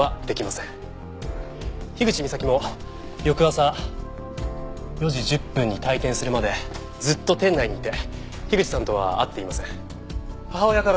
口みさきも翌朝４時１０分に退店するまでずっと店内にいて口さんとは会っていません。